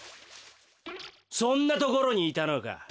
そんなところにいたのか。